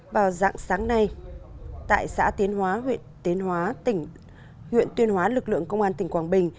vào dạng sáng nay tại xã tiến hóa huyện tiến hóa lực lượng công an tỉnh quảng bình